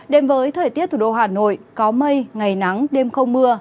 đến với thời tiết thủ đô hà nội có mây ngày nắng đêm không mưa